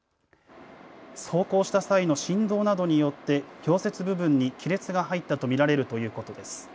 走行した際の振動などによって溶接部分に亀裂が入ったと見られるということです。